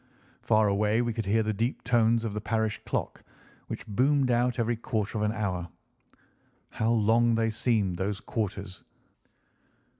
Far away we could hear the deep tones of the parish clock, which boomed out every quarter of an hour. How long they seemed, those quarters!